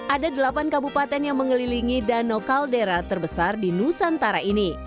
ada delapan kabupaten yang mengelilingi danau kaldera terbesar di nusantara ini